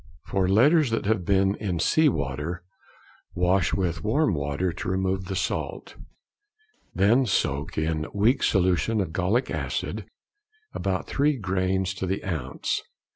For letters that have been in sea water, wash with warm water to remove the salt, then soak in weak solution of gallic acid, about 3 grains to the ounce.